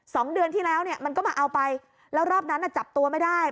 สองเดือนที่แล้วเนี่ยมันก็มาเอาไปแล้วรอบนั้นอ่ะจับตัวไม่ได้